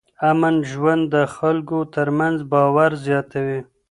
امن ژوند د خلکو ترمنځ باور زیاتوي.